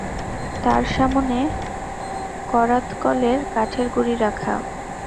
তার সামনে করাতকলের কাঠের গুঁড়ি রাখা।